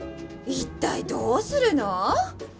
一体どうするの？